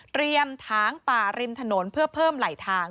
เตรียมทางป่าริมถนนเพื่อเพิ่มไหลทาง